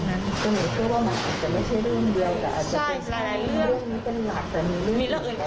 อะไรแบบนี้ครับ